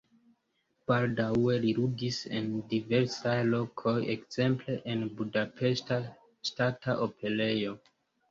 Baldaŭe li ludis en diversaj lokoj, ekzemple en Budapeŝta Ŝtata Operejo.